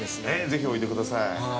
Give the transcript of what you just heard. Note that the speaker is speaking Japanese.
ぜひおいでください。